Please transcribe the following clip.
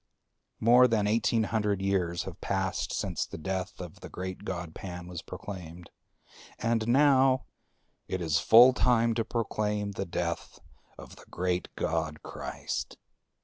More than eighteen hundred years have passed since the death of the great god Pan was proclaimed; and now it is full time to proclaim the death of the great god Christ.